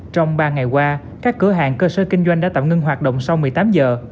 trong ba ngày qua các cửa hàng cơ sở kinh doanh đã tạm ngưng hoạt động sau một mươi tám giờ